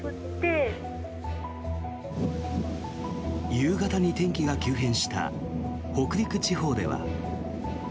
夕方に天気が急変した北陸地方では。